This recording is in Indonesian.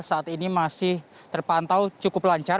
saat ini masih terpantau cukup lancar